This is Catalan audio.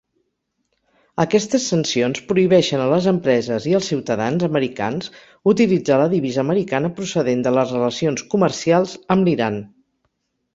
Aquestes sancions prohibeixen a les empreses i als ciutadans americans utilitzar la divisa americana procedent de les relacions comercials amb l'Iran.